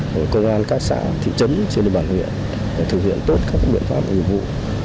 của cơ quan các xã thị trấn trên địa bàn huyện để thực hiện tốt các biện pháp ủi vụ